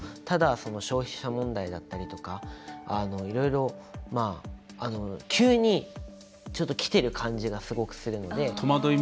ただ、消費者問題だったりとかいろいろ、急にきてる感じがすごくするので。